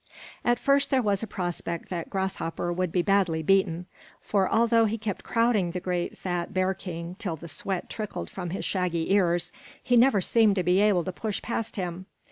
At first there was a prospect that Grasshopper would be badly beaten; for although he kept crowding the great fat bear king till the sweat trickled from his shaggy ears, he never seemed to be able to push past him.